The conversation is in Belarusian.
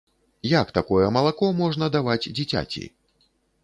Як такое малако можна даваць дзіцяці?